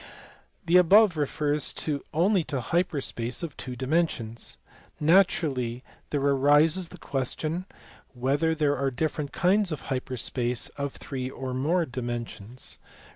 The above refers only to hyper space of two dimensions. Naturally there arises the question whether there are different kinds of hyper space of three or more dimensions.